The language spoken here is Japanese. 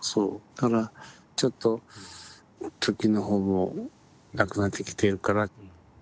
だからちょっと貯金の方もなくなってきているから。